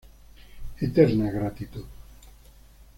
Eterna gratitud.